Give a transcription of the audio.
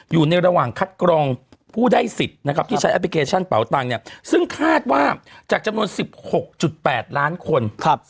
อยู่ในระหว่างคัดกรองผู้ได้สิทธิ์นะครับที่ใช้แอปพลิเคชันเป่าตังค์เนี่ยซึ่งคาดว่าจากจำนวน๑๖๘ล้านคน